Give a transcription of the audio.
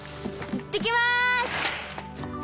いってきます！